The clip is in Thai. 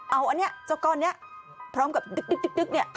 เอาอันนี้เจ้าก้อนนี้พร้อมกับดึ๊กเนี่ย